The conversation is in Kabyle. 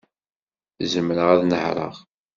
Zemreɣ ad nehṛeɣ.